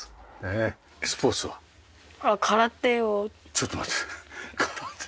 ちょっと待って空手？